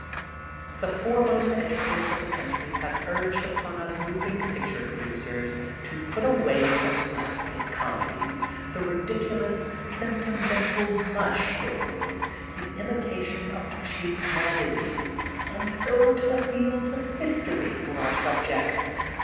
The foremost educators of the country have urged upon us moving picture producers to put away the slap stick comedies, the ridiculous, sentimental *'mush" stories, the imitation of the cheap magazines, and go to the fields of history for our subjects.